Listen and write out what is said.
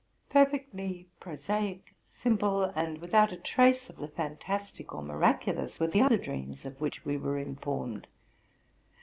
Perfectly prosaic, simple, and without a trace of the fan tastic or miraculous, were the other dreams, of which we were informed.